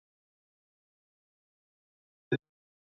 圣阿沃古尔代朗代人口变化图示